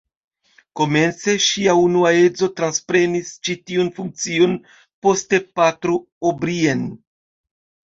Komence ŝia unua edzo transprenis ĉi tiun funkcion, poste Patro O’Brien.